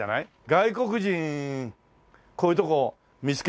外国人こういう所見つけてさ。